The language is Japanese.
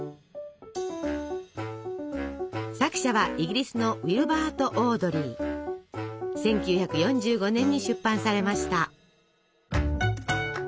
作者はイギリスの１９４５年に出版されました。